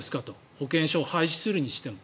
保険証を廃止するとしても。